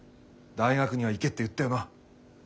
大学には行けって言ったよな？